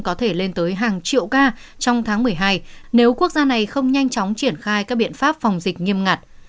có thể lên tới hàng triệu ca trong tháng một mươi hai nếu quốc gia này không nhanh chóng triển khai các biện pháp phòng dịch nghiêm ngặt